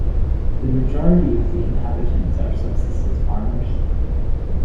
The majority of the inhabitants are subsistence farmers.